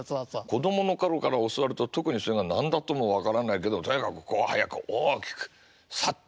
子供の頃から教わると特にそれが何だとも分からないけどとにかくこう速く大きくサッと言うとか。